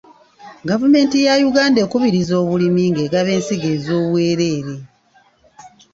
Gavumenti ya Uganda ekubiriza obulimi ng'egaba ensigo ez'obwereere.